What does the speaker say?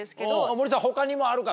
森さん他にもあるか？